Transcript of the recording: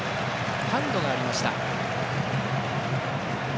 ハンドがありました。